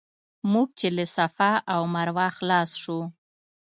موږ چې له صفا او مروه خلاص شو.